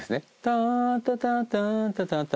「タータタタータタタ」